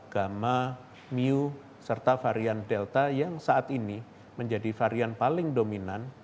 gamma mu serta varian delta yang saat ini menjadi varian paling dominan